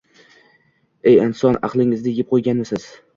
Ey inson, aqlingizni yeb qoʻyganmisiz